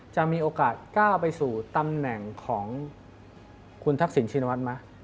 จะมีโอกาสก้าวไปสู่ตำแหน่งของคุณทักษิณชินวัฒน์ไหม